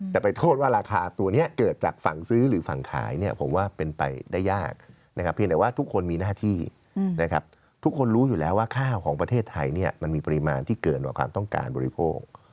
แต่ไปโทษว่าราคาตัวนี้เกิดจากฝั่งซื้อหรือฝั่งขายเนี่ยผมว่าเป็นไปได้ยากนะครับเพียงแต่ว่าทุกคนมีหน้าที่นะครับทุกคนรู้อยู่แล้วว่าข้าวของประเทศไทยเนี่ยมันมีปริมาณที่เกินกว่าความต้องการบริโภค